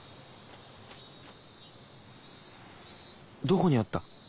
どこにあった？